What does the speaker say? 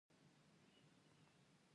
خرما په ننګرهار او نیمروز کې کیږي.